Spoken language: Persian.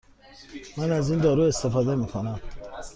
من از این دارو استفاده می کنم.